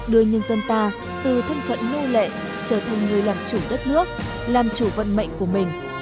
đưa nhân dân ta từ thân phận lưu lệ trở thành người làm chủ đất nước làm chủ vận mệnh của mình